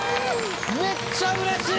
めっちゃ嬉しい！